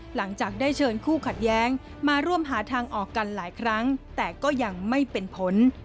หลังจากได้เชิญคู่ขัดแย้งมาร่วมหาทางออกกันหลายครั้งแต่ก็ยังไม่เป็นผล